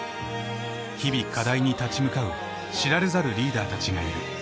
日々課題に立ち向かう知られざるリーダーたちがいる。